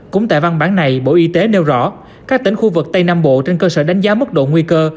cũng tại văn bản này bộ y tế nêu rõ các tỉnh khu vực tây nam bộ trên cơ sở đánh giá mức độ nguy cơ